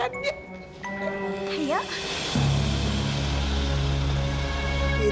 sebentar lagi nanti